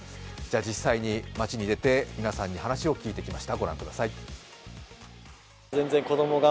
実際に街に出て皆さんに話を聞いてきました。